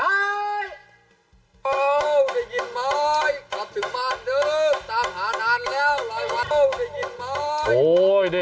ตามหานานแล้วหลายวันแล้วได้ยินไม้